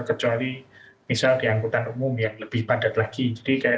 kecuali misal di angkutan umum yang lebih padat lagi